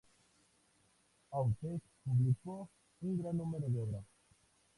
Outes publicó un gran número de obras.